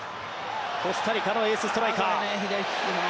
コスタリカのエースストライカー。